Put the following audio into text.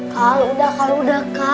kalau udah kalau udah